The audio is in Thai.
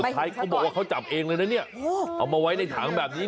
สุดท้ายเขาบอกว่าเขาจับเองเลยนะเอามาไว้ในถังแบบนี้